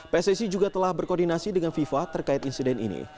pssi juga telah berkoordinasi dengan fifa terkait insiden ini